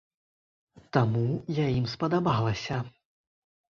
Таму я ім спадабалася.